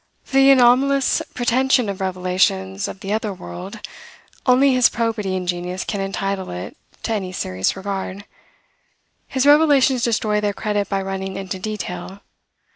For the anomalous pretension of Revelations of the other world, only his probity and genius can entitle it to any serious regard. His revelations destroy their credit by running into detail.